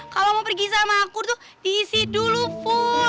kalau mau pergi sama aku tuh diisi dulu full